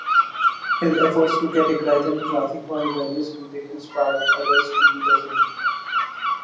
His efforts to categorize and classify various music inspired others to do the same.